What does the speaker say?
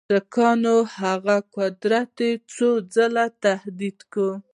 سیکهانو د هغه قدرت څو ځله تهدید کړ.